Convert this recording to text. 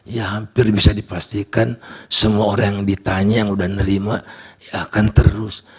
ya hampir bisa dipastikan semua orang yang ditanya yang udah nerima akan terus